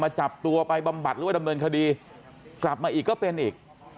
จับตัวไปบำบัดหรือว่าดำเนินคดีกลับมาอีกก็เป็นอีก